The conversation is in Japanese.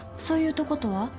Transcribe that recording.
「そういうとこ」とは？